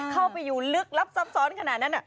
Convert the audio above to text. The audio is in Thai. เข้าไปอยู่ลึกลับซับซ้อนขนาดนั้น